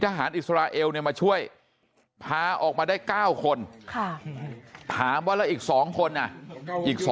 ทหารอิสราเอลมาช่วยพาออกมาได้๙คนถามว่าแล้วอีก๒คนอ่ะอีก